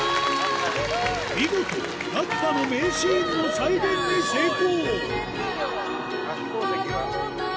見事、ラピュタの名シーンの再現に成功。